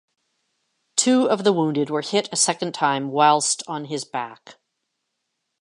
Two of the wounded were hit a second time whilst on his back.